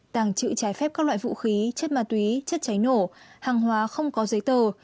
tàng trữ trái phép các loại vũ khí chất ma túy chất cháy nổ hàng hóa không có giấy tờ